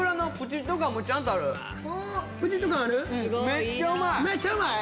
めっちゃうまい？